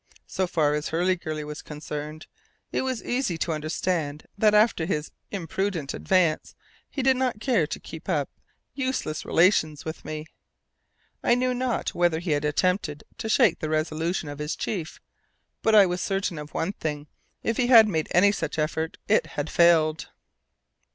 So far as Hurliguerly was concerned, it was easy to understand that after his imprudent advance he did not care to keep up useless relations with me. I knew not whether he had attempted to shake the resolution of his chief; but I was certain of one thing; if he had made any such effort it had failed.